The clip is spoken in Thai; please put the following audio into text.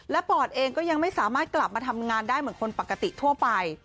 ปอดเองก็ยังไม่สามารถกลับมาทำงานได้เหมือนคนปกติทั่วไป